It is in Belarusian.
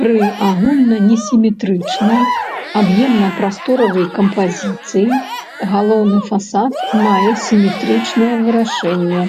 Пры агульнай несіметрычнай аб'ёмна-прасторавай кампазіцыі галоўны фасад мае сіметрычнае вырашэнне.